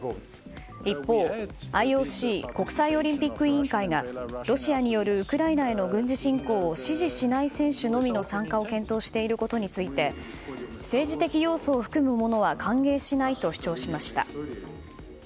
一方、ＩＯＣ・国際オリンピック委員会がロシアによるウクライナへの軍事侵攻を支持しない選手のみの参加を検討していることについて政治的要素を含むものは歓迎しないと主張しました。